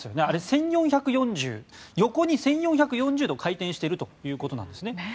あれは横に１４４０度回転しているということなんですね。